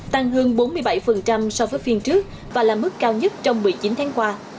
tăng hơn bốn mươi bảy so với phiên trước và là mức cao nhất trong một mươi chín tháng qua